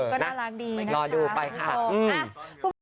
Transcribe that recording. ก็น่ารักดีนะครับทุกคน